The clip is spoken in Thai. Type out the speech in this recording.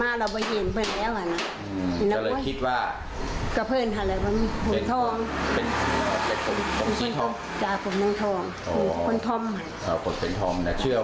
ก็เพลินค่ะแผ่นผมทอม